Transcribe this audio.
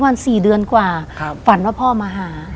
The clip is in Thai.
วัน๔เดือนกว่าฝันว่าพ่อมาหา